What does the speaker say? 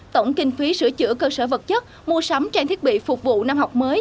tổng kinh phí sửa chữa cơ sở vật chất mua sắm trang thiết bị phục vụ năm học mới